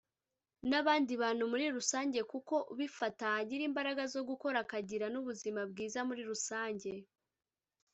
n’abandi bantu muri rusange kuko ubifata agira imbaraga zo gukora akagira n’ubuzima bwiza muri rusange